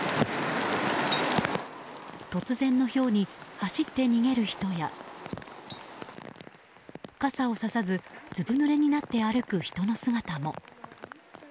突然のひょうに走って逃げる人や傘をささずずぶぬれになって歩く人の姿も。